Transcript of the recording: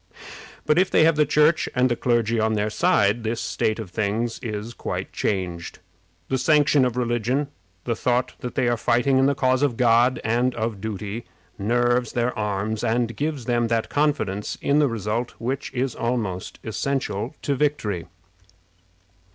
But if they have the Church and the clergy on their side, this state of things is quite changed. The sanction of religion the thought that they are fighting in the cause of God and of duty, nerves their arms, and gives them that confidence in the result which is almost essential to victory.